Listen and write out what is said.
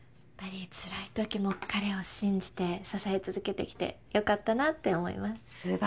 やっぱりつらいときも彼を信じて支え続けてきてよかったなって思います。